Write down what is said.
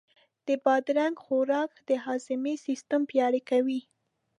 د بادرنګ خوراک د هاضمې سیستم پیاوړی کوي.